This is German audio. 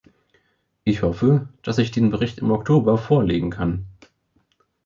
Ich hoffe, dass ich den Bericht im Oktober vorlegen kann.